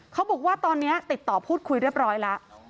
เขาบอกว่าตอนนี้ติดต่อพูดคุยเรียบร้อยแล้ว